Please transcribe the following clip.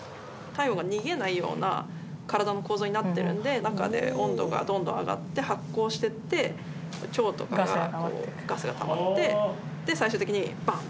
体温が逃げないような体の構造になってるので中で温度がどんどん上がって発酵していって腸とかがこうガスがたまって最終的にバン！